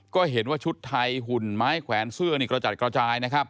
ก็เห็นว่าชุดไทยหุ่นไม้แขวนเสื้อกระจัดกระจาย